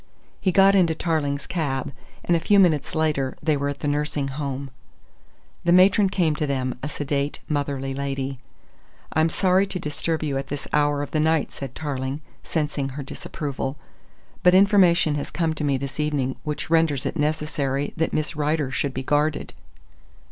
He got into Tarling's cab, and a few minutes later they were at the nursing home. The matron came to them, a sedate, motherly lady. "I'm sorry to disturb you at this hour of the night," said Tarling, sensing her disapproval. "But information has come to me this evening which renders it necessary that Miss Rider should be guarded."